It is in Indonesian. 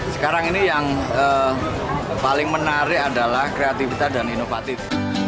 sekarang ini yang paling menarik adalah kreativitas dan inovatif